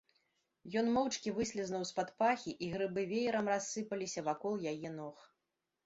Ён моўчкі выслізнуў з-пад пахі, і грыбы веерам рассыпаліся вакол яе ног.